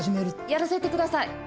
やらせてください！